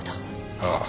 ああ。